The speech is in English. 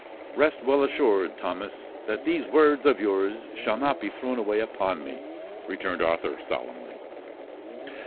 "Rest well assured, Thomas, that these words of your's shall not be thrown away upon me," returned Arthur solemnly.